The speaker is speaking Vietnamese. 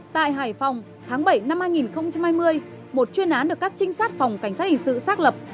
tại hải phòng tháng bảy năm hai nghìn hai mươi một chuyên án được các trinh sát phòng cảnh sát hình sự xác lập